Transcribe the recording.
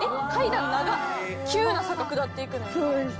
急な坂下っていくねんな。